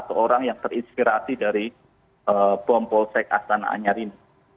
atau orang yang terinspirasi dari bom polsek astana anyarin